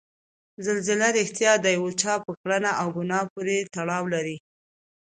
زلزله ریښتیا د یو چا په کړنه او ګناه پورې تړاو لري؟